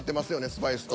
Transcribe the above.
スパイスと。